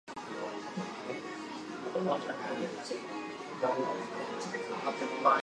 These include political instability, religious and cultural differences, economic inequality, and territorial disputes.